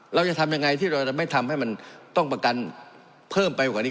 เราจะทำยังไงที่เราจะไม่ทำให้มันต้องประกันเพิ่มไปกว่านี้